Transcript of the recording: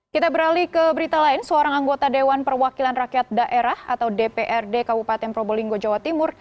kita beralih ke berita lain seorang anggota dewan perwakilan rakyat daerah atau dprd kabupaten probolinggo jawa timur